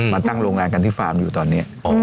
มาตั้งโรงงานกันที่ฟาร์มอยู่ตอนนี้